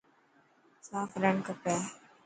صاف رهڻ کپي.